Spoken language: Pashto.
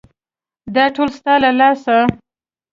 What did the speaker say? _دا ټول ستا له لاسه.